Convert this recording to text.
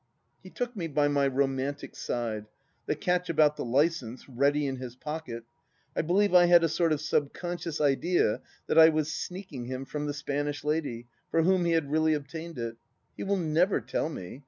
He took me by my romantic side. The catch about the licence — ^ready in his pocket. ... I believe I had a sort of subconscious idea that I was sneaking him from the Spanish lady, for whom he had really obtained it. ... He will never tell me.